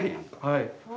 はい。